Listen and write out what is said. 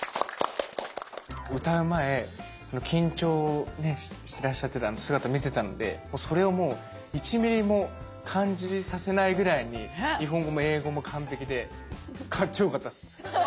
歌う前緊張ねしてらっしゃってたあの姿見てたのでそれをもう１ミリも感じさせないぐらいに日本語も英語も完璧でかっちょよかったっす。